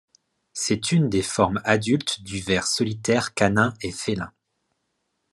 C'est une des formes adultes du ver solitaire canin et félin.